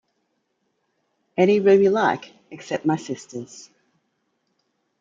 Any room you like, except my sister's.